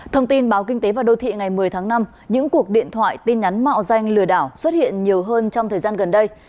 thông tin báo kinh tế và đô thị ngày một mươi tháng năm những cuộc điện thoại tin nhắn mạo danh lừa đảo xuất hiện nhiều hơn trong thời gian gần đây